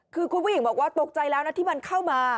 คือคุณผู้หญิงบอกว่าตกใจแล้วนะที่มันเข้ามา